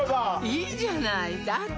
いいじゃないだって